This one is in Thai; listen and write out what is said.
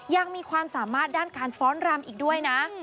ยังมีความสามารถด้านการฟ้อนรำอีกด้วยนะ